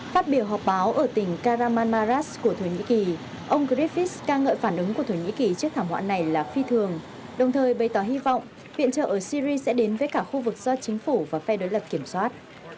phát biểu họp báo ở tỉnh karaman maras của thổ nhĩ kỳ ông griffis ca ngợi phản ứng của thổ nhĩ kỳ trước thảm họa này là phi thường đồng thời bày tỏ hy vọng viện trợ ở syri sẽ đến với cả khu vực do chính phủ và phe đối lập kiểm soát